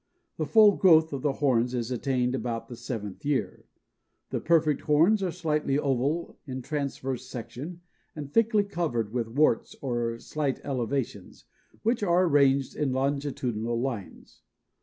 The full growth of the horns is attained about the seventh year. The perfect horns are slightly oval in transverse section and thickly covered with warts or slight elevations, which are arranged in longitudinal lines.